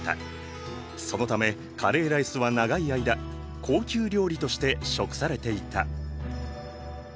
そのためカレーライスは長い間高級料理として食されていた。